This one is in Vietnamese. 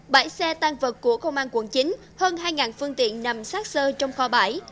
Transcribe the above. bãi xe tan vật của công an quận chín hơn hai phương tiện nằm sát sơ trong kho bãi